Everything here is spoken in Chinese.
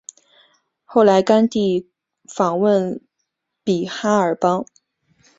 后来甘地访问比哈尔邦。